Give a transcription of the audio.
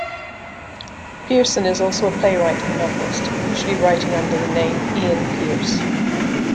Pierson is also a playwright and novelist, usually writing under the name Ian Pierce.